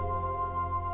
kita akan menikmati